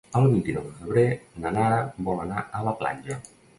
El vint-i-nou de febrer na Nara vol anar a la platja.